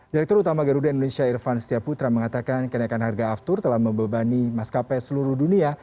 direktur utama garuda indonesia irvan setiaputra mengatakan kenaikan harga aftur telah mebebani maskapai seluruh dunia